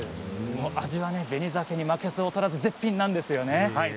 味はベニザケに負けず劣らず絶品なんですよね。